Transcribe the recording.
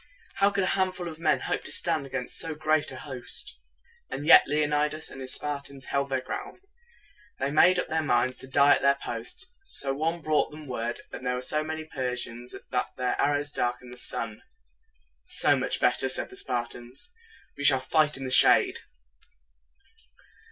How could a handful of men hope to stand against so great a host? And yet Le on i das and his Spartans held their ground. They had made up their minds to die at their post. Some one brought them word that there were so many Persians that their arrows dark ened the sun. "So much the better," said the Spartans; "we shall fight in the shade."